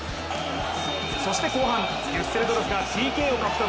そして後半、デュッセルドルフがＰＫを獲得。